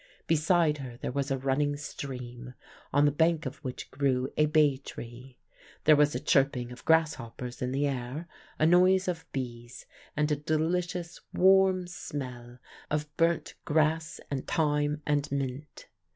Beside her there was a running stream, on the bank of which grew a bay tree. There was a chirping of grasshoppers in the air, a noise of bees, and a delicious warm smell of burnt grass and thyme and mint.